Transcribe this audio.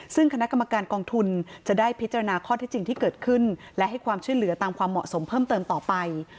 ซึ่งคณะกรรมการกองทุนจะได้พิจารณาข้อที่จริงที่เกิดขึ้นและให้ความช่วยเหลือตามความเหมาะสมเพิ่มเติมต่อไป